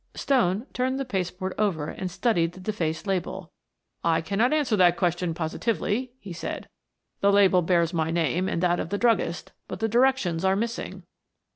Stone turned the paste board over and studied the defaced label. "I cannot answer that question positively," he said. "The label bears my name and that of the druggist, but the directions are missing."